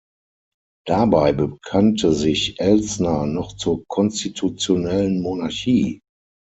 Dabei bekannte sich Elsner noch zur konstitutionellen Monarchie.